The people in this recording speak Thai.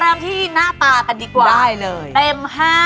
เราลองพักแต่ละทีหน้าตากันดีกว่าใช่เลยเต็ม๕